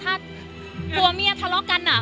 ถ้าผัวเมียทะเลาะกันอ่ะ